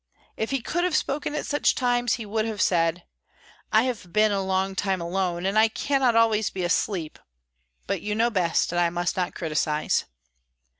If he could have spoken at such times, he would have said: "I have been a long time alone, and I cannot always be asleep; but you know best, and I must not criticise."